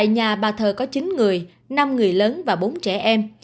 chín người năm người lớn và bốn trẻ em